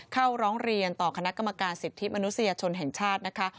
เข้าร้องเรียนต่อคณะกรรมการสิทธิมนุษยชนแห่งชาตินะคะ